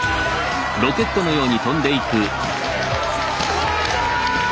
飛んだ！